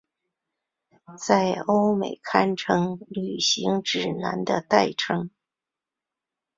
在欧美堪称旅行指南的代称。